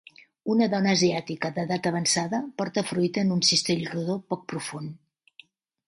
Una dona asiàtica d'edat avançada porta fruita en un cistell rodó poc profund.